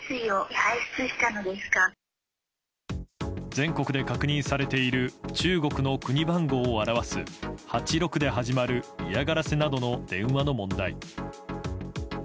全国で確認されている中国の国番号を表す８６で始まる嫌がらせなどの電話の問題。